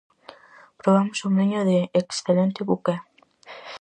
Probamos un viño de excelente buqué.